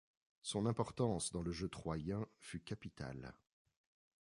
Son importance dans le jeu troyen fut capitale.